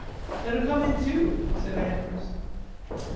"Better come in, too," said Andrews.